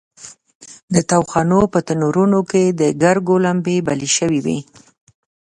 د تاوخانو په تنورونو کې د ګرګو لمبې بلې شوې وې.